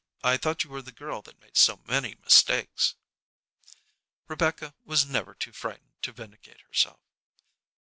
I thought you were the girl that made so many mistakes." Rebecca was never too frightened to vindicate herself.